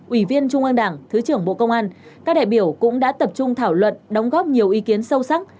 ủy viên trung an đảng thứ trưởng bộ công an các đại biểu cũng đã tập trung thảo luận đóng góp nhiều ý kiến sâu sắc